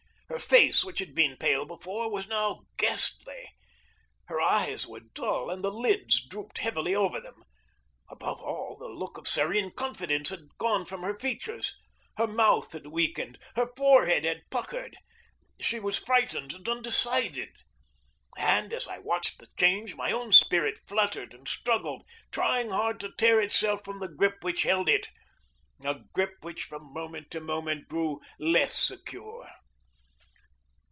Her face, which had been pale before, was now ghastly. Her eyes were dull, and the lids drooped heavily over them. Above all, the look of serene confidence had gone from her features. Her mouth had weakened. Her forehead had puckered. She was frightened and undecided. And as I watched the change my own spirit fluttered and struggled, trying hard to tear itself from the grip which held it a grip which, from moment to moment, grew less secure.